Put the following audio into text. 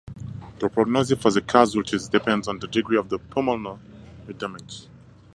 The prognosis for the casualties depends on the degree of the pulmonary damage.